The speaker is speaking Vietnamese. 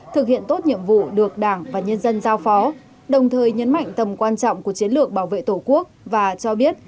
thực hiện tốt nhiệm vụ được đảng và nhân dân giao phó đồng thời nhấn mạnh tầm quan trọng của chiến lược bảo vệ tổ quốc và cho biết